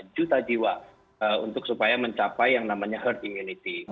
satu empat juta jiwa untuk supaya mencapai yang namanya herd immunity